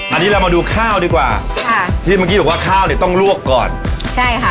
อันนี้เรามาดูข้าวดีกว่าค่ะที่เมื่อกี้บอกว่าข้าวเนี่ยต้องลวกก่อนใช่ค่ะ